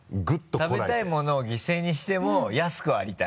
食べたいものを犠牲にしても安くありたい？